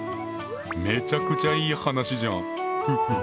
めちゃくちゃいい話じゃん！